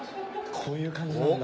こういう感じなんだ。